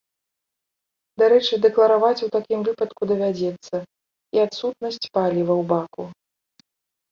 Дарэчы, дэклараваць у такім выпадку давядзецца і адсутнасць паліва ў баку.